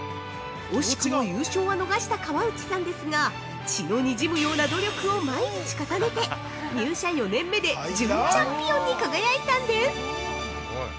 惜しくも優勝は逃した河内さんですが血の滲むような努力を毎日重ねて入社４年目で準チャンピオンに輝いたんです